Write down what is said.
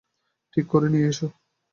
ঠিক করে নিয়ে এসো।